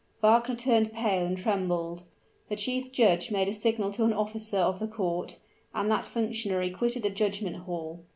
Wagner turned pale and trembled. The judge made a signal to an officer of the court, and that functionary quitted the judgment hall.